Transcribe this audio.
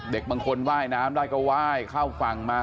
เด็กบางคนว่ายน้ำได้ก็ไหว้เข้าฝั่งมา